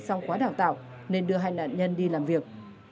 xong khóa đào tạo nên đưa hai nạn nhân đi làm việc